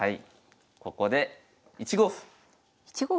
ここで１五歩。